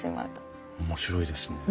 面白いですね。